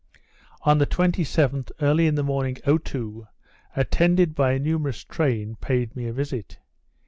On the 27th, early in the morning, Otoo, attended by a numerous train, paid me a visit.